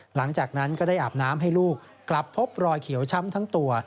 หลังจากนั้นก็ได้อาบน้ำให้ลูกกลับพบรอยเขียวช้ำทั้งตัว